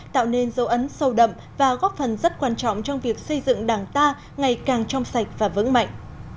tạo nên dấu ấn sâu đậm và góp phần rất quan trọng trong việc xây dựng đảng ta ngày càng trong sạch và vững mạnh